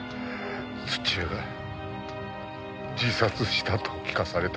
土屋が自殺したと聞かされたのは。